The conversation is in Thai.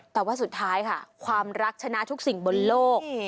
แต่ว่าสุดท้ายค่ะความรักชนะทุกสิ่งบนโลก